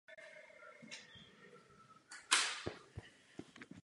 Al Capone však zraněn nebyl.